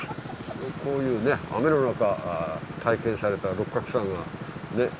こういうね雨の中体験された六角さんが日本で初めてかな。